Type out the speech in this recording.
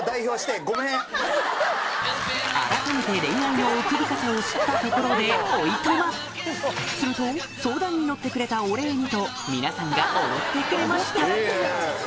改めて恋愛の奥深さを知ったところでおいとますると相談に乗ってくれたお礼にと皆さんがおごってくれました